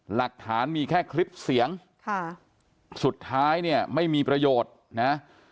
หลักฐานมีแค่คลิปเสียงค่ะสุดท้ายเนี่ยไม่มีประโยชน์นะ